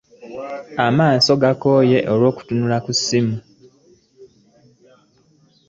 Amaaso gakooye olwukutunula ku ssimu .